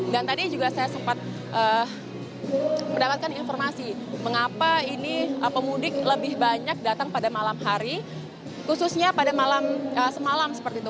dan tadi juga saya sempat mendapatkan informasi mengapa ini pemudik lebih banyak datang pada malam hari khususnya pada malam semalam seperti itu